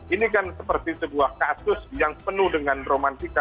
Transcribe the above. ini kan seperti sebuah kasus yang penuh dengan romantika